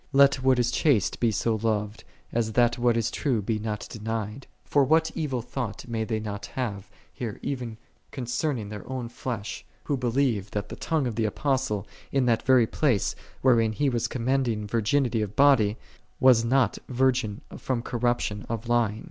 Let what is chaste be so loved, as that what is true be not denied. For what evil thought may they not have even concerning their own flesh, who believe that the tongue of the Apostle, in that very place, wherein he was commending vir ginity of body, was not virgin from corruption of lying.